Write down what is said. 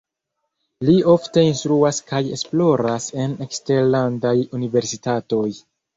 Li ofte instruas kaj esploras en eksterlandaj universitatoj.